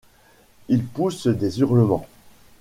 Ils poussent des hurlements. ..